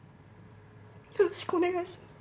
よろしくお願いします。